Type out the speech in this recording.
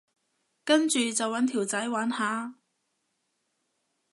跟住就搵條仔玩下